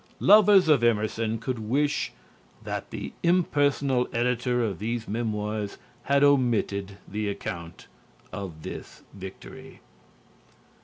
Lovers of Emerson could wish that the impersonal editor of these memoirs had omitted the account of this victory.